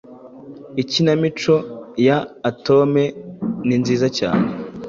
Ikinamico ya Atome ninziza cyane